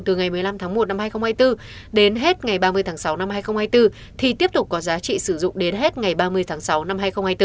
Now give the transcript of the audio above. từ ngày một mươi năm tháng một năm hai nghìn hai mươi bốn đến hết ngày ba mươi tháng sáu năm hai nghìn hai mươi bốn thì tiếp tục có giá trị sử dụng đến hết ngày ba mươi tháng sáu năm hai nghìn hai mươi bốn